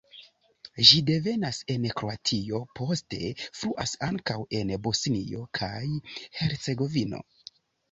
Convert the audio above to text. Ĝi devenas en Kroatio, poste fluas ankaŭ en Bosnio kaj Hercegovino.